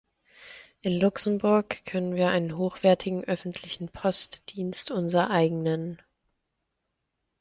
In Luxemburg können wir einen hochwertigen öffentlichen Postdienst unser eigen nennen.